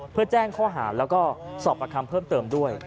เพื่อแจ้งข้อหาแล้วก็สอบประคำเพิ่มเติมด้วย